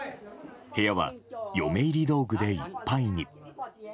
部屋は、嫁入り道具でいっぱいに。